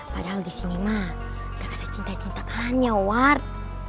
padahal di sini ma gak ada cinta cintaannya ward